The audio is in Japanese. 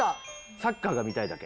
サッカーが見たいだけ。